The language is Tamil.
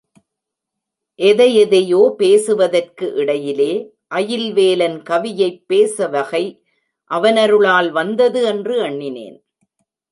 எதை எதையோ பேசுவதற்கு இடையிலே, அயில் வேலன் கவியை ப் பேச வகை அவனருளால் வந்தது என்று எண்ணினேன்.